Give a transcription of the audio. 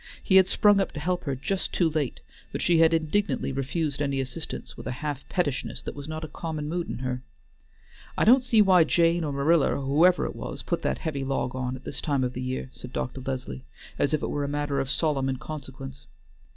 He had sprung up to help her just too late, but she had indignantly refused any assistance with a half pettishness that was not a common mood with her. "I don't see why Jane or Marilla, or whoever it was, put that heavy log on at this time of the year," said Dr. Leslie, as if it were a matter of solemn consequence.